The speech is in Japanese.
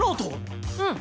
うん。